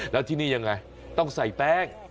แล้วที่นี่ยังไงต้องใส่แป้ง